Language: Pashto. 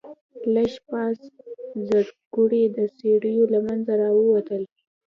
لږ پاس زرکوړي د څېړيو له منځه راووتل.